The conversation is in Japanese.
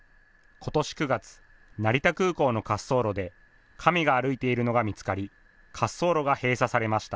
ことし９月、成田空港の滑走路でカメが歩いているのが見つかり滑走路が閉鎖されました。